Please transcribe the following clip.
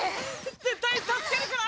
絶対助けるから！